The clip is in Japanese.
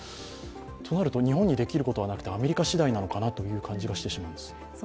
となると日本にできることはなくて、アメリカ次第なのかなという感じがしてしまいます。